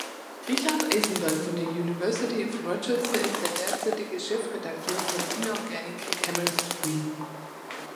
Richard Eisenberg von der University of Rochester ist der derzeitige Chefredakteur von Inorganic Chemistry.